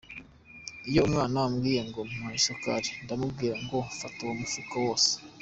Iyo umwana ambwiye ngo mpa isukari ndamubwira ngo fata uwo mufuka wose.